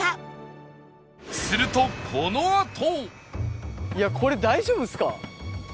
するとこのあと！